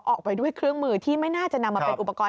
ออกไปด้วยเครื่องมือที่ไม่น่าจะนำมาเป็นอุปกรณ์